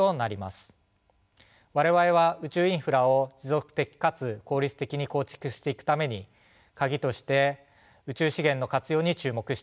我々は宇宙インフラを持続的かつ効率的に構築していくために鍵として宇宙資源の活用に注目しています。